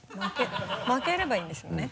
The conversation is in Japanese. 負ければいいんですよね。